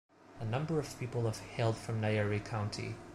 A number of people have hailed from Nyeri County.